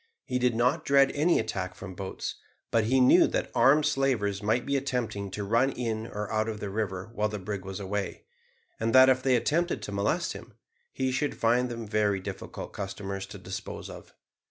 He did not dread any attack from boats, but he knew that armed slavers might be attempting to run in or out of the river while the brig was away, and that if they attempted to molest him, he should find them very difficult customers to dispose of.